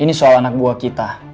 ini soal anak buah kita